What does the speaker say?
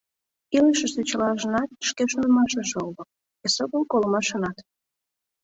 – Илышыште чылажынат шке шонымашыже уло – эсогыл колымашынат».